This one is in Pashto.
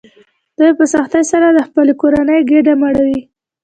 دوی په سختۍ سره د خپلې کورنۍ ګېډه مړوي